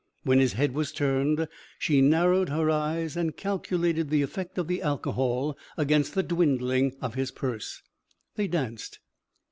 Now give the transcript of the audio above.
When his head was turned, she narrowed her eyes and calculated the effect of the alcohol against the dwindling of his purse. They danced.